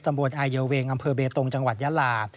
อำเภออาเยาเวงอำเภอเบตงจังหวัดยาลา